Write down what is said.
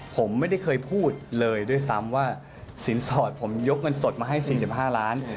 ผมไม่ได้เคยพูดเลยด้วยซ้ำว่าสินสอดผมยกเงินสดมาให้๔๕ล้าน